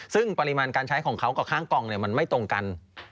ซึ่งปริมาณการใช้ของเขากับข้างกล่องมันไม่ตรงกัน